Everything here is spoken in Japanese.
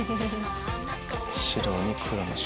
「白に黒の書」。